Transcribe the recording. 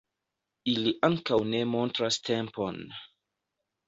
Ili ankaŭ ne montras tempon.